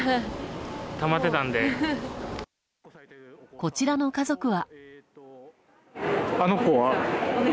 こちらの家族は。